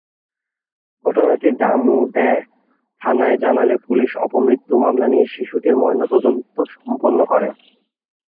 ঘটনাটি ডামুড্যা থানায় জানালে পুলিশ অপমৃত্যু মামলা নিয়ে শিশুটির ময়নাতদন্ত সম্পন্ন করে।